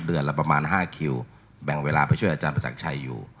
เดือนละประมาณ๕คิวแบ่งเวลาไปช่วยอาจารย์ประจักรชัยอยู่